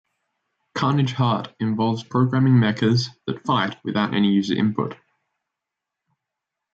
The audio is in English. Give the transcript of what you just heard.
"Carnage Heart" involves programming mechas that then fight without any user input.